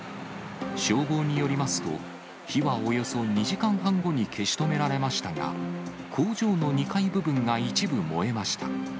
消防によりますと、火はおよそ２時間半後に消し止められましたが、工場の２階部分が一部燃えました。